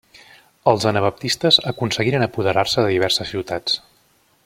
Els anabaptistes aconseguiren apoderar-se de diverses ciutats.